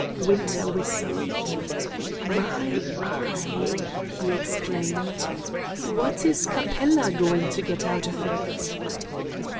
Winter whistled. "My eye!" he exclaimed. "What is Capella going to get out of it?"